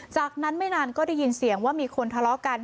จากนั้นไม่นานก็ได้ยินเสียงว่ามีคนทะเลาะกัน